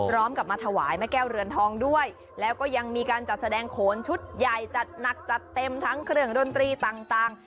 พร้อมกับมาถวายแม่แก้วเรือนทองด้วยแล้วก็ยังมีการจัดแสดงโขนชุดใหญ่จัดหนักจัดเต็มทั้งเครื่องดนตรีต่าง